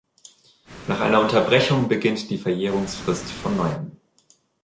Nach einer Unterbrechung beginnt die Verjährungsfrist von neuem.